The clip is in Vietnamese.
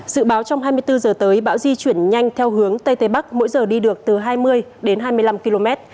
dự báo trong hai mươi bốn giờ tới bão di chuyển nhanh theo hướng tây tây bắc mỗi giờ đi được từ hai mươi đến hai mươi năm km